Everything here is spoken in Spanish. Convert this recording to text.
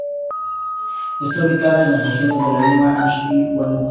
Está ubicada en las regiones Lima, Áncash y Huánuco.